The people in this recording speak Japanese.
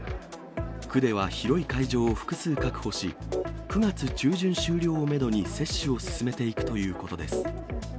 区では広い会場を複数確保し、９月中旬終了をメドに接種を進めていくということです。